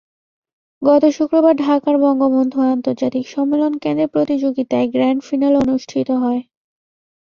গত শুক্রবার ঢাকার বঙ্গবন্ধু আন্তর্জাতিক সম্মেলন কেন্দ্রে প্রতিযোগিতার গ্র্যান্ডফিনালে অনুষ্ঠিত হয়।